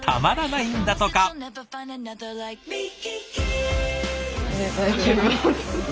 いただきます。